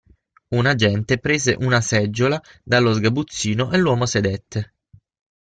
Un agente prese una seggiola dallo sgabuzzino e l'uomo sedette.